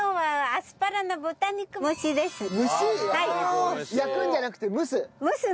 アスパラね。